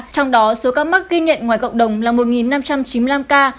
trong đó số ca mắc ghi nhận ngoài cộng đồng là một năm trăm chín mươi năm ca